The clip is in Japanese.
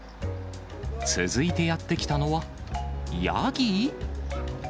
続いてやって来たのは、ヤギ？